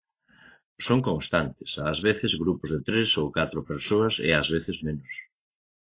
Son constantes, ás veces grupos de tres ou catro persoas e ás veces menos.